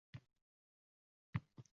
uni sog‘inadigan narsasi qolmaydi.